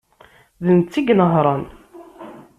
D netta ay inehhṛen.